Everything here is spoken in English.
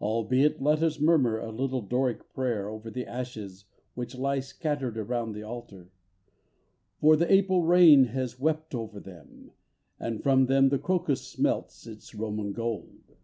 Albeit let us murmur a little Doric prayer Over the ashes which lie scattered around the altar; For the April rain has wept over them, And from them the crocus smelts its Roman gold.